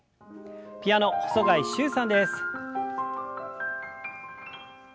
ピアノ細貝柊さんです。